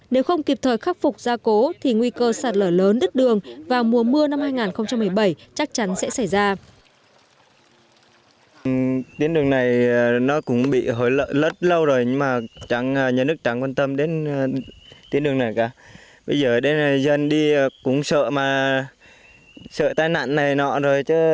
nếu không kịp thời khắc phục gia cố thì nguy cơ sạt lở lớn đứt đường vào mùa mưa năm hai nghìn một mươi bảy chắc chắn sẽ xảy ra